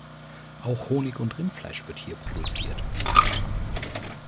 Auch Honig und Rindfleisch wird hier produziert.